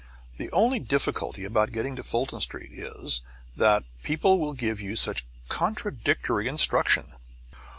The only difficulty about getting to Fulton Street is that people will give you such contradictory instruction.